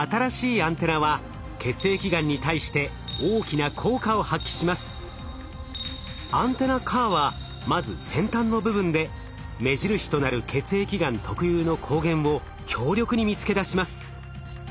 アンテナＣＡＲはまず先端の部分で目印となる血液がん特有の抗原を強力に見つけ出します。